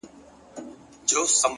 د حقیقت منل د ځواک نښه ده